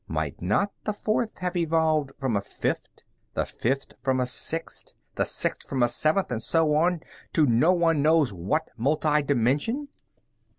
Might not the fourth have evolved from a fifth, the fifth from a sixth, the sixth from a seventh, and so on to no one knows what multidimension?"